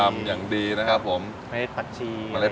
มีอบเชย